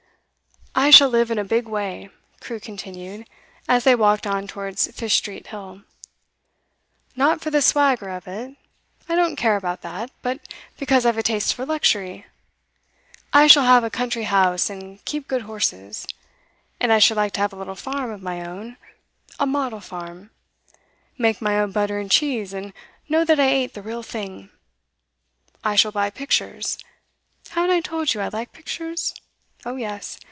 'I shall live in a big way,' Crewe continued, as they walked on towards Fish Street Hill. 'Not for the swagger of it; I don't care about that, but because I've a taste for luxury. I shall have a country house, and keep good horses. And I should like to have a little farm of my own, a model farm; make my own butter and cheese, and know that I ate the real thing. I shall buy pictures. Haven't I told you I like pictures? Oh yes.